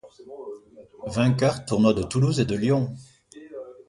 Vainqueur Tournoi de Toulouse et de Lyon.